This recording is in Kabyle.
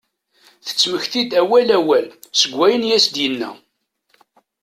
Tettmekti-d awal awal seg wayen i as-d-yenna.